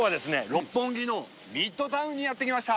六本木のミッドタウンにやって来ました。